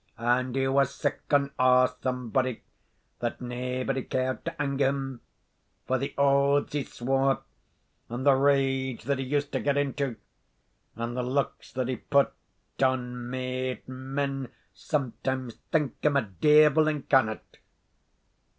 And he was sic an awsome body that naebody cared to anger him; for the oaths he swore, and the rage that he used to get into, and the looks that he put on made men sometimes think him a devil incarnate.